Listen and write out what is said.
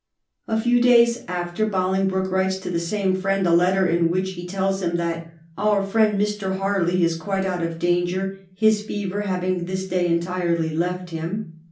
A few days after Bolingbroke writes to the same friend a letter in which he tells him that ^^ Our friend Mr. Harley is quite out of danger, his fever having this day entirely left him."